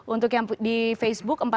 untuk yang di facebook empat puluh dua empat